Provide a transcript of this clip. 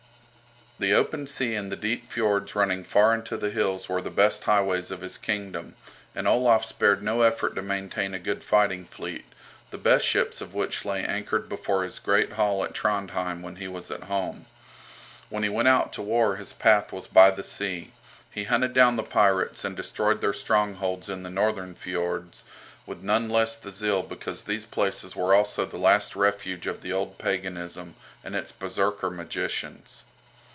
The open sea and the deep fiords running far into the hills were the best highways of his kingdom, and Olaf spared no effort to maintain a good fighting fleet, the best ships of which lay anchored before his great hall at Trondhjem when he was at home. When he went out to war his path was by the sea. He hunted down the pirates and destroyed their strongholds in the northern fiords, with none the less zeal because these places were also the last refuge of the old paganism and its Berserker magicians.